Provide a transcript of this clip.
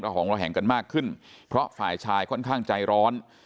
หองระแหงกันมากขึ้นเพราะฝ่ายชายค่อนข้างใจร้อน